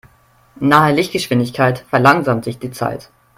Nahe Lichtgeschwindigkeit verlangsamt sich die Zeit.